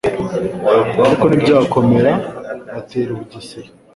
ariko ntibyakomera, batera u Bugesera,